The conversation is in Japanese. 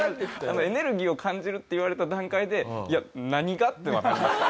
エネルギーを感じるって言われた段階でいや何が？とはなりました。